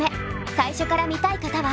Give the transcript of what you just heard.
最初から見たい方は！